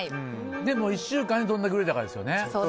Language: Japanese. でも、１週間でどれだけ売れたかですよね。